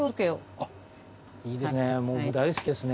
あっいいですね。